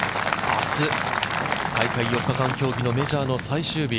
明日、大会４日間競技のメジャーの最終日。